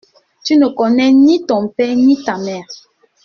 Tu ne connais ni ton père ni ta mère.